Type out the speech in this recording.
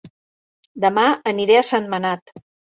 Dema aniré a Sentmenat